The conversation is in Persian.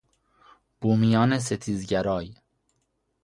بومیان ستیزگرای